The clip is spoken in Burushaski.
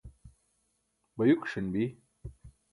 bayukiṣan bi